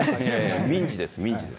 民事です。